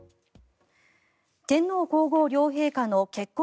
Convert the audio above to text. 天皇・皇后両陛下の結婚